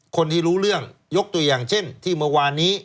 คนที่รู้เรื่องยกตัวอย่างเช่นที่เมื่อวานนี้